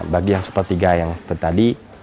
bagian sepertiga yang seperti tadi